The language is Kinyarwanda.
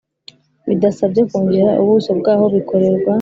bidasabye kongera ubuso bw'aho bikorerwa,